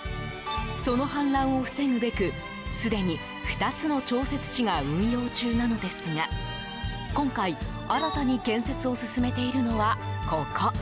その氾濫を防ぐべく、すでに２つの調節池が運用中なのですが今回、新たに建設を進めているのは、ここ。